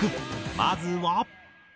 まずは。